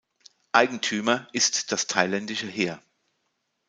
Eigentümer ist das thailändische Heer.